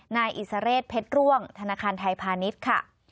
๔๐๓๘๗๗๗๔๙๗นอิสระเรศเพ็ดร่วงธนาคารไทยพาณิชย์